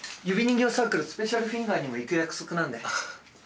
指人形サークル「スペシャルフィンガー」にも行く約束なんで。